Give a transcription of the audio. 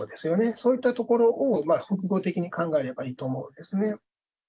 そういったところを複合的に考えればいいと思うんですね。